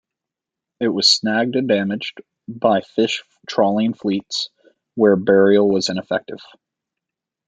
It was snagged and damaged by fish trawling fleets where burial was ineffective.